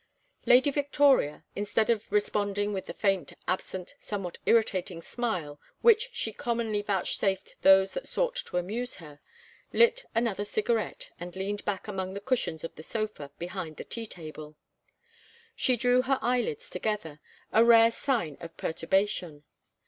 Lady Victoria, instead of responding with the faint, absent, somewhat irritating smile which she commonly vouchsafed those that sought to amuse her, lit another cigarette and leaned back among the cushions of the sofa behind the tea table. She drew her eyelids together, a rare sign of perturbation.